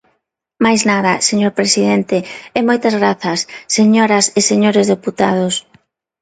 Máis nada, señor presidente, e moitas grazas, señoras e señores deputados.